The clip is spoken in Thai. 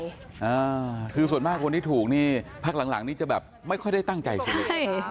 ก็คือส่วนมากคนที่ถูกนี่พรรคหลังนี่จะแบบไม่ค่อยได้ตั้งใจสิเนี่ย